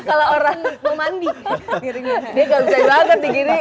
kalau orang mau mandi dia nggak bisa banget diginiin